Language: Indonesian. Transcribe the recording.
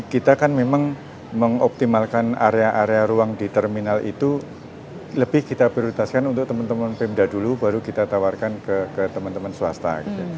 kita kan memang mengoptimalkan area area ruang di terminal itu lebih kita prioritaskan untuk teman teman pemda dulu baru kita tawarkan ke teman teman swasta